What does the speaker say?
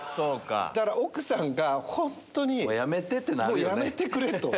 だから奥さんが本当にやめてくれ！と。